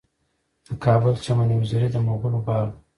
د کابل چمن حضوري د مغلو باغ دی